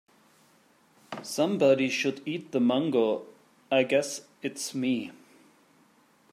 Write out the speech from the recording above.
Somebody should eat the mango, I guess it is me.